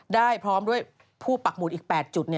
พร้อมด้วยผู้ปักหมุดอีก๘จุด